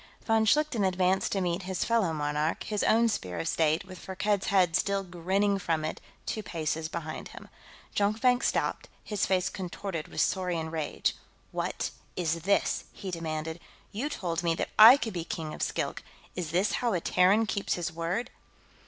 Von Schlichten advanced to meet his fellow monarch, his own Spear of State, with Firkked's head still grinning from it, two paces behind him. Jonkvank stopped, his face contorted with saurian rage. "What is this?" he demanded. "You told me that I could be King of Skilk; is this how a Terran keeps his word?"